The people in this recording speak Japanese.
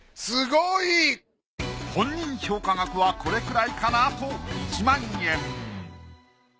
すごい！本人評価額はこれくらいかなと１万円。